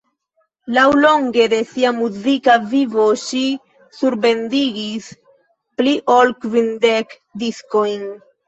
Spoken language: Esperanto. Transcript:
Laŭlonge de sia muzika vivo ŝi surbendigis pli ol kvindek diskojn.